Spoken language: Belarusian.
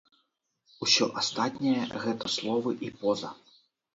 Усё астатняе гэта словы і поза.